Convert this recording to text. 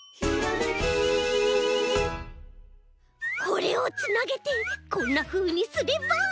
これをつなげてこんなふうにすれば。